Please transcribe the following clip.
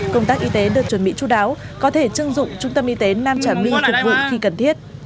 công tác y tế được chuẩn bị chú đáo có thể chưng dụng trung tâm y tế nam trà my phục vụ khi cần thiết